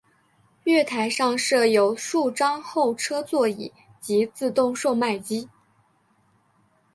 月台上设有数张候车座椅及自动售卖机。